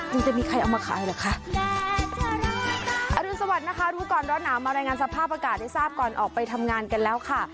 จริงจะมีใครเอามาขายเหรอคะอรุณสวัสดินะคะรู้ก่อนร้อนหนาวมารายงานสภาพอากาศให้ทราบก่อนออกไปทำงานกันแล้วค่ะ